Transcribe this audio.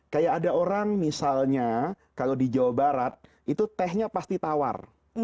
kayak ada orang misalnya kalau di jawa barat itu tehnya pasti tawar